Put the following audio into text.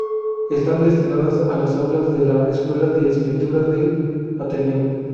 Están destinadas a las aulas de la Escuela de Escritura del Ateneo.